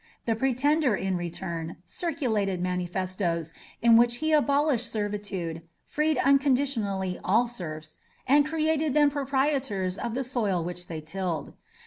The pretender, in return, circulated manifestoes, in which he abolished servitude, freed unconditionally all the serfs, and created them proprietors of the soil which they tilled.